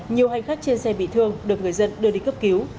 nhiều hành khách trên xe bị thương được người dân đưa đi cấp cứu